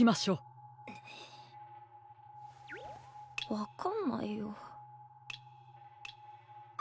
わかんないよ。